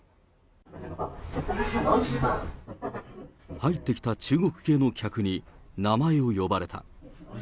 入ってきた中国系の客に名前を呼ばれた。